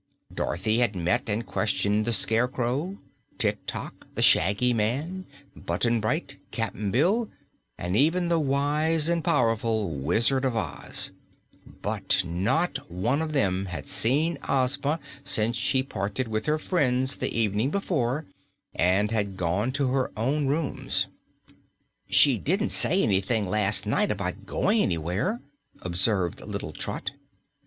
Dorothy had met and questioned the Scarecrow, Tik Tok, the Shaggy Man, Button Bright, Cap'n Bill, and even the wise and powerful Wizard of Oz, but not one of them had seen Ozma since she parted with her friends the evening before and had gone to her own rooms. "She didn't say anything las' night about going anywhere," observed little Trot.